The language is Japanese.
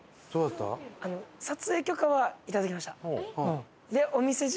撮影許可はいただきました。